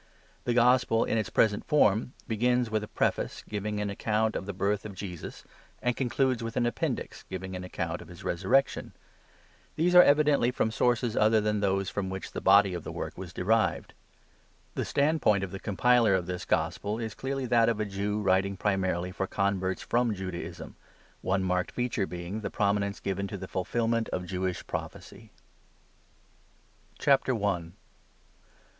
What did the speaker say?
The gospel, in its present form, begins with a preface giving an account of the birth of Jesus, and concludes with an appendix giving an account of his resurrection, j These are evidently from sources other than those from which the body of the work was derived.) The standpoint of the compiler of this gospel is clearly that of a Jew writing primarily for converts from Judaism, one marked feature being the prominence given to the fulfilment of Jewish prophecy. ACCORDING TO MATTHEW. I. — THE BIRTH, PARENTAGE, AND INFANCY.